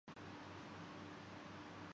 تو غلطی ہماری ہے۔